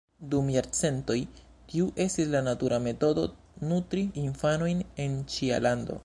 Dum jarcentoj tiu estis la natura metodo nutri infanojn en ĉia lando.